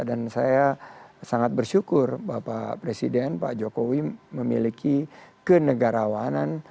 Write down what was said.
dan saya sangat bersyukur bapak presiden pak jokowi memiliki kenegarawanan